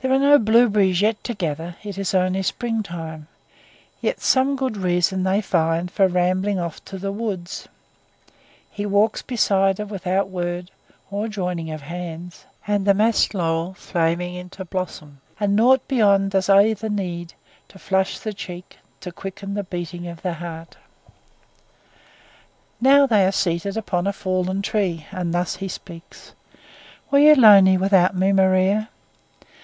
There are no blueberries yet to gather it is only springtime yet some good reason they find for rambling off to the woods; he walks beside her without word or joining of hands, through the massed laurel flaming into blossom, and naught beyond does either need to flush the cheek, to quicken the beating of the heart. Now they are seated upon a fallen tree, and thus he speaks: "Were you lonely without me, Maria?"